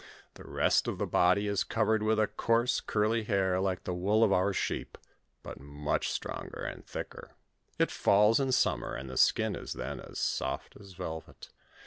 The rest of the body is covered with a coarse curly hair like the wool of our sheep, but much stronger and thicker. It falls in summer, and the skin is then as soft as velvet.